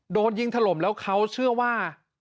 โดนยิงถล่มแล้วเขาเชื่อว่า